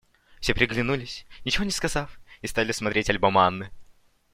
Все переглянулись, ничего не сказав, и стали смотреть альбом Анны.